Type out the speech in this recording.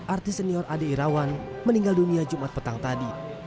artis senior ade irawan meninggal dunia jumat petang tadi